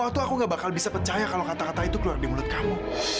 waktu aku gak bakal bisa percaya kalau kata kata itu keluar di mulut kamu